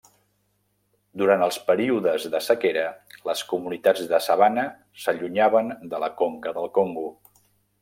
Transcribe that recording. Durant els períodes de sequera les comunitats de sabana s'allunyaven de la conca del Congo.